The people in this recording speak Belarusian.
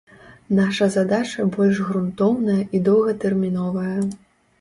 Наша задача больш грунтоўная і доўгатэрміновая.